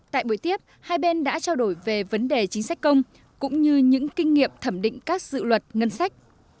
tại buổi tiếp hai bên đã trao đổi về vấn đề chính sách công cũng như những kinh nghiệm thẩm định các dự luật ngân sách